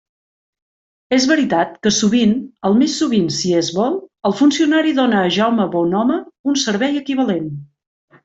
És veritat que sovint, el més sovint si es vol, el funcionari dóna a Jaume Bonhome un servei equivalent.